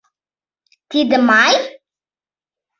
Тиде Май?